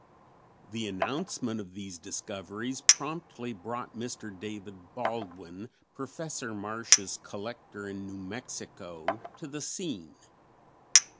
The announcement of these discoveries promptly brought Mr. David Baldwin, Professor Marsh's collector in New Mexico, to the scene.